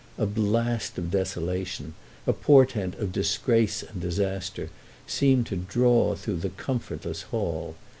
A blast of desolation, a portent of disgrace and disaster, seemed to draw through the comfortless hall.